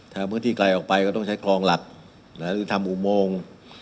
ถ้าพื้นที่ไกลออกไปก็ต้องใช้คลองหลักหรือทำอุโมง